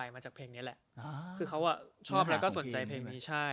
มาจากเพลงนี้แหละคือเขาชอบแล้วก็สนใจเพลงนี้ใช่